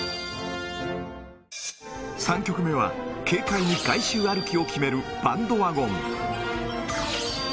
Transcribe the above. ３曲目は、軽快に外周歩きを決めるバンドワゴン。